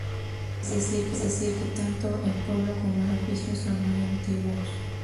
Es decir que tanto el pueblo como el oficio son muy antiguos.